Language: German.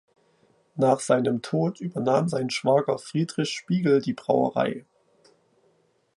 Nach seinem Tod übernahm sein Schwager Friedrich Spiegel die Brauerei.